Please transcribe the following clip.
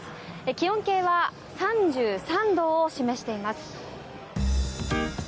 気温計は３３度を示しています。